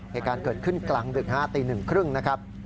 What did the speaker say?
ในการเกิดขึ้นกลาง๑๕ตี๑๓๐นะครับ